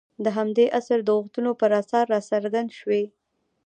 د همدې عصر د غوښتنو پر اساس راڅرګند شوي.